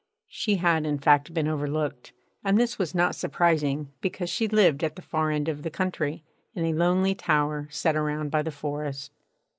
She had in fact been overlooked; and this was not surprising, because she lived at the far end of the country, in a lonely tower set around by the forest.